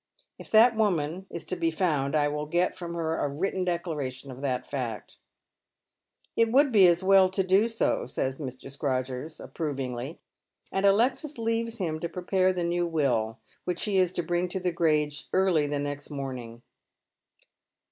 If that woman is to be found I will get from her a wiitten declaration of that fact." A Wedding Eve. 281 " It would be as well to do 80," says Mr. Scrodgers, approvingly, and Alexis leaves liira to prepare the new will, which he is to bring to the Grange early nest morning.